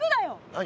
何？